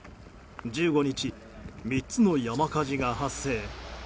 １５日、３つの山火事が発生。